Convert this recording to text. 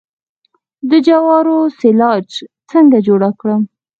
د جوارو سیلاج څنګه جوړ کړم؟